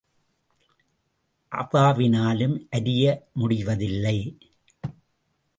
அவினாலும் அரிய முடிவதில்லை.